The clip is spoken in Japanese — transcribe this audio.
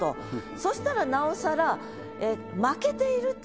そしたらなおさら。